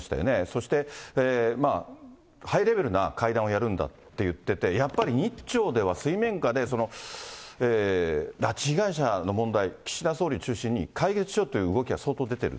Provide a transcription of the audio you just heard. そしてハイレベルな会談をやるんだって言ってて、やっぱり日朝では水面下で、拉致被害者の問題、岸田総理中心に解決しようという動きが相当出てる？